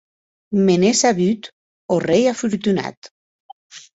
Me n’è sabut, ò rei afortunat!